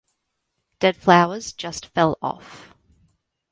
Dead flowers just fell off.